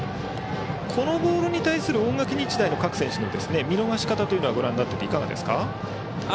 このボールに対する大垣日大の各選手の見逃し方というのはご覧になっていていかがですか？